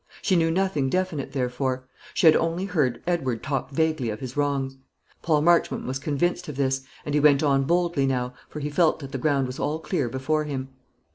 She knew nothing definite, therefore; she had only heard Edward talk vaguely of his wrongs. Paul Marchmont was convinced of this; and he went on boldly now, for he felt that the ground was all clear before him.